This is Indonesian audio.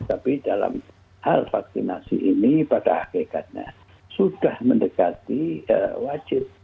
tapi dalam hal vaksinasi ini pada hakikatnya sudah mendekati wajib